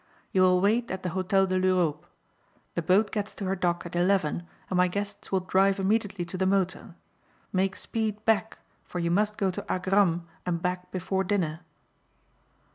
You will wait at the Hotel de l'Europe. The boat gets to her dock at eleven and my guests will drive immediately to the motor. Make speed back for you must go to Agram and back before dinner."